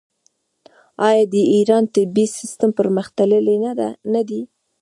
آیا د ایران طبي سیستم پرمختللی نه دی؟